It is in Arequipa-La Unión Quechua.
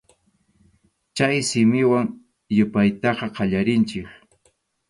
Chay simiwan yupaytaqa qallarinchik.